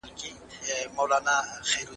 ما به د لالټين تتې رڼا ته مطالعه کوله.